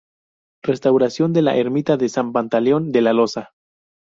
Restauración de la ermita de San Pantaleón de Losa